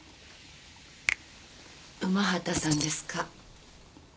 午端さんですか？